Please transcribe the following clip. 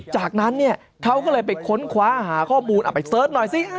จากนั้นเนี่ยเขาก็เลยไปค้นคว้าหาข้อมูลเอาไปเสิร์ชหน่อยสิ